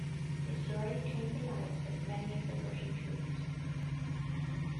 It had already claimed the lives of many of the Russian troops.